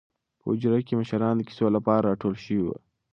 په حجره کې مشران د کیسو لپاره راټول شوي دي.